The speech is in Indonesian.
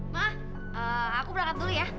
mah aku berangkat dulu ya